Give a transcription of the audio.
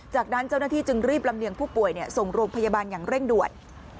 จากนั้นเจ้าหน้าที่จึงรีบลำเลียงผู้ป่วยส่งโรงพยาบาลอย่างเร่งด่วน